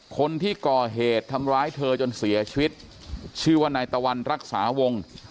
คนที่ก่อเหตุทำร้ายเธอจนเสียชีวิตชื่อว่านายตะวันรักษาวง